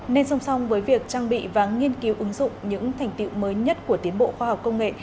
nên song song với việc trang bị và nghiên cứu ứng dụng những thành tiệu mới nhất của tiến bộ khoa học công nghệ